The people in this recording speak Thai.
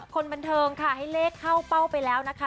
คนบันเทิงค่ะให้เลขเข้าเป้าไปแล้วนะคะ